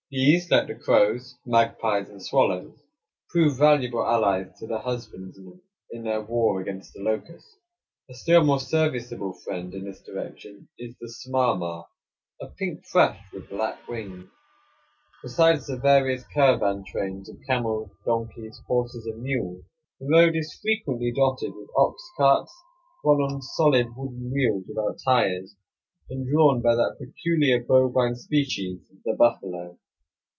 These, like the crows, magpies, and swallows, prove valuable allies to the husbandmen in their war against the locust. A still more serviceable friend in this direction is the smarmar, a pink thrush with black wings. Besides the various caravan trains of camels, donkeys, horses, and mules, the road is frequently dotted with ox carts, run on solid wooden wheels without tires, and drawn by that peculiar bovine species, the buffalo.